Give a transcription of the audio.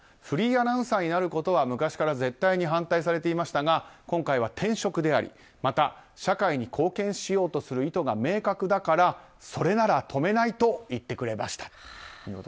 フリーアナウンサーになることは昔から絶対に反対されていましたが今回は転職でありまた社会に貢献しようとする意図が明確だから、それなら止めないと言ってくれました。